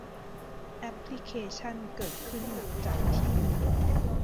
แอปพลิเคชั่นเกิดขึ้นหลังจากที่มี